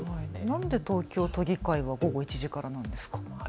なんで東京都議会は午後１時からなんですか。